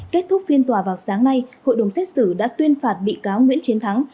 kết thúc phiên tòa vào sáng nay hội đồng xét xử đã tuyên phạt bị cáo nguyễn chiến thắng